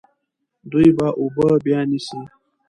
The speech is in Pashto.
دوی به اوبه بیا نیسي.